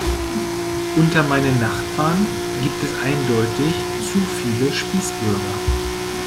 Unter meinen Nachbarn gibt es eindeutig zu viele Spießbürger.